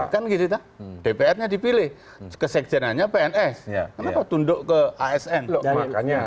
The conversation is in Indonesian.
kan gitu dpr nya dipilih kesejahteraannya pns kenapa tunduk ke asn